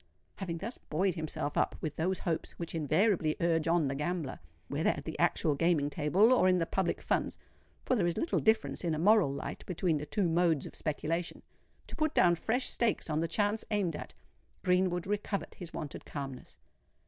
Having thus buoyed himself up with those hopes which invariably urge on the gambler—whether at the actual gaming table or in the public funds (for there is little difference in a moral light between the two modes of speculation),—to put down fresh stakes on the chance aimed at, Greenwood recovered his wonted calmness.